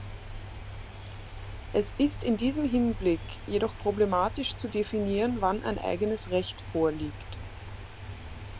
Es ist in diesem Hinblick jedoch problematisch zu definieren, wann ein eigenes Recht vorliegt.